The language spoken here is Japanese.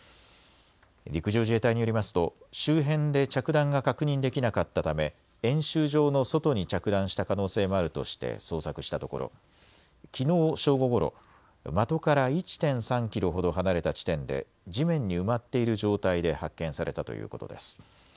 陸上自衛隊によりますと周辺で着弾が確認できなかったため、演習場の外に着弾した可能性もあるとして捜索したところきのう正午ごろ、的から１．３キロほど離れた地点で地面に埋まっている状態で発見されたということです。